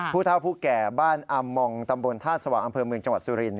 ผู้เท่าผู้แก่บ้านอามมองตำบลท่าสว่างอำเภอเมืองจังหวัดสุรินท